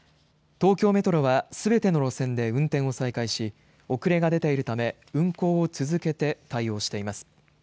東京メトロはすべての路線で運転を再開し遅れが出ているため運行を続けて対応しています。